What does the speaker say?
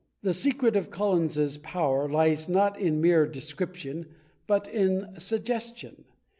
The secret of Collinses power lies not in mere description but in suggestion.